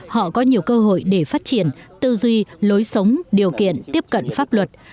họ có nhiều cơ hội để phát triển tư duy lối sống điều kiện tiếp cận pháp luật